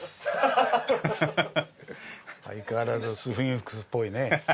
相変わらずスフィンクスっぽいね。